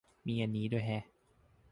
มีอันนี้ด้วยแฮะ